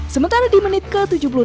sementara di menit ke tujuh puluh enam